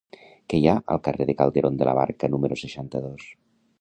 Què hi ha al carrer de Calderón de la Barca número seixanta-dos?